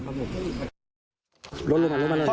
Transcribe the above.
รถลงตามให้มาเนี่ย